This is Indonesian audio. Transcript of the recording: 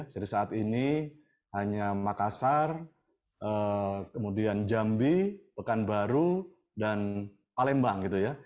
jadi saat ini hanya makassar kemudian jambi pekanbaru dan palembang gitu ya